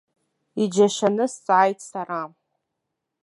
Иџьашьаны сҵааит сара.